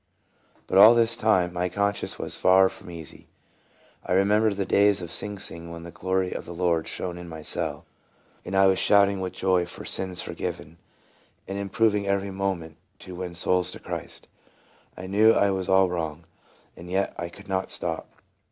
But all this time my conscience was far from easy. I remembered the days at Sing Sing when the glory of the Lord shone in my cell, and I was shouting with joy for sins forgiven, and improving every moment to win souls to Christ. I knew I was all wrong, and yet I could not stop.